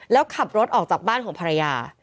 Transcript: แล้วขับรถออกจากบ้านของภรรยา